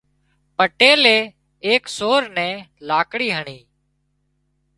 پٽيلي ايڪ سور نين لاڪڙي هڻي